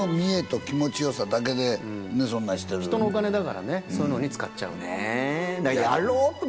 ひとのお金だからそういうのに使っちゃう。